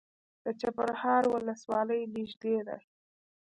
د چپرهار ولسوالۍ نږدې ده